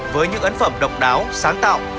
với những ấn phẩm độc đáo sáng tạo